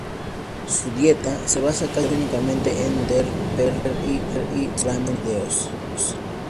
Su dieta se basa casi únicamente en Dr Pepper y Ramen sin fideos.